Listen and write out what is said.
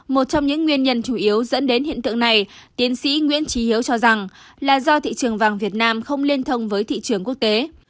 một trong những nguyên nhân chủ yếu dẫn đến hiện tượng này tiến sĩ nguyễn trí hiếu cho rằng là do thị trường vàng việt nam không liên thông với thị trường quốc tế